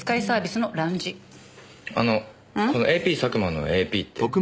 あのこのＡＰ佐久間のＡＰって？